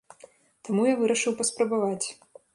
Таму я вырашыў паспрабаваць.